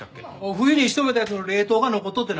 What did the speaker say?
冬に仕留めたやつの冷凍が残っとってな。